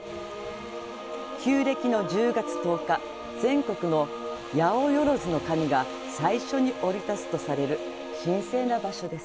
旧暦の１０月１０日全国の八百万の神が最初に降り立つとされる神聖な場所です。